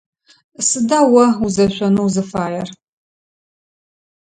Сыда о узэшъонэу узыфаер?